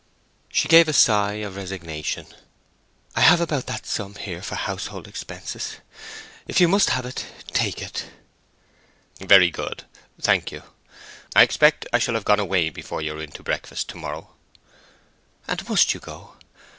She gave a sigh of resignation. "I have about that sum here for household expenses. If you must have it, take it." "Very good. Thank you. I expect I shall have gone away before you are in to breakfast to morrow." "And must you go?